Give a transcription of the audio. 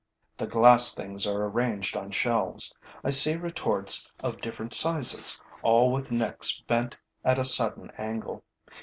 The glass things are arranged on shelves. I see retorts of different sizes, all with necks bent at a sudden angle.